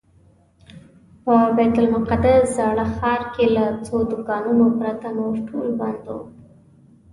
په بیت المقدس زاړه ښار کې له څو دوکانونو پرته نور ټول بند و.